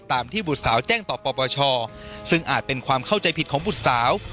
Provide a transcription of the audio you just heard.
ตามที่บุตรสาวแจ้งต่อปปชซึ่งอาจเป็นความเข้าใจผิดของบุตรสาว